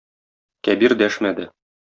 Кәбир дәшмәде.